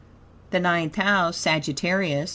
The Ninth House, Sagittarius.